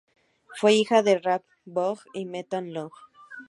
Fue hija de Ralph Boggs y Meta Long.